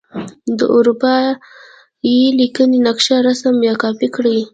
د اروپا بې لیکنې نقشه رسم یا کاپې کړئ.